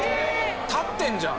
立ってるじゃん！